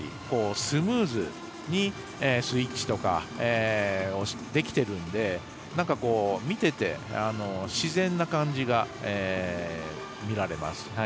スムーズにスイッチとかをできてるので見てて、自然な感じが見られます。